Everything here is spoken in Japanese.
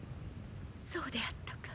そうであったか。